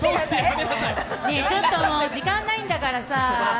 ちょっともう、時間ないんだからさ。